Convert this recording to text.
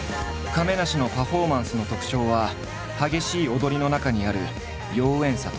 亀梨のパフォーマンスの特長は激しい踊りの中にある妖艶さとつやっぽさ。